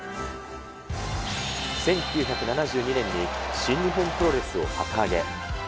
１９７２年に新日本プロレスを旗揚げ。